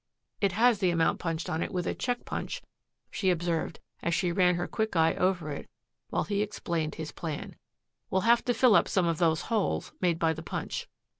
"It has the amount punched on it with a check punch," she observed as she ran her quick eye over it while he explained his plan. "We'll have to fill up some of those holes made by the punch."